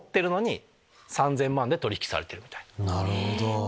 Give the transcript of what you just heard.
なるほど。